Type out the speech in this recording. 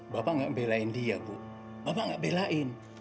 bapak nggak ngebelain dia bu bapak nggak belain